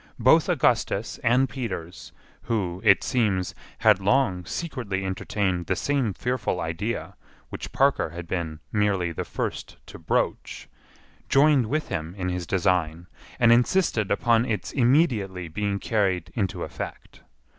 Both Augustus and Peters, who, it seems, had long secretly entertained the same fearful idea which Parker had been merely the first to broach, joined with him in his design and insisted upon its immediately being carried into effect.